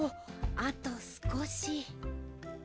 あとすこし。